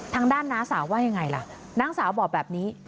ทางด้านน้าสาวว่ายังไงล่ะน้าสาวบอกแบบนี้